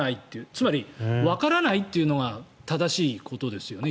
つまりわからないというのが正しいことですよね。